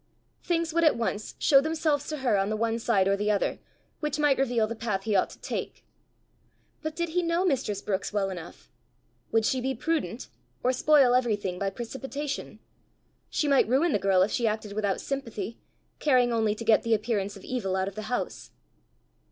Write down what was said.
Things would at once show themselves to her on the one side or the other, which might reveal the path he ought to take. But did he know mistress Brookes well enough? Would she be prudent, or spoil everything by precipitation? She might ruin the girl if she acted without sympathy, caring only to get the appearance of evil out of the house!